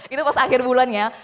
itu pas akhir bulan ya